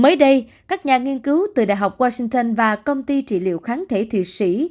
mới đây các nhà nghiên cứu từ đại học washington và công ty trị liệu kháng thể thụy sĩ